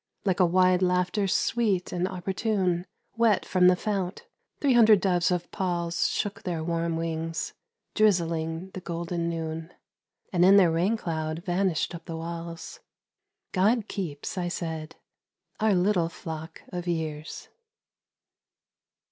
Like a wide laughter sweet and opportune, Wet from the fount, three hundred doves of Paul's Shook their warm wings, drizzling the golden noon, And in their rain cloud vanished up the walls. "God keeps," I said, "our little flock of years."